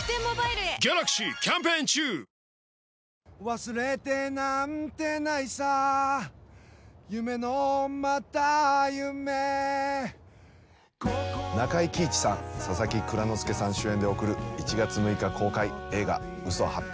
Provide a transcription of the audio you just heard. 忘れてなんてないさ夢のまた夢中井貴一さん佐々木蔵之介さん主演で送る１月６日公開映画「嘘八百